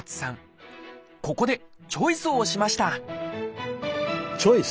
ここでチョイスをしましたチョイス！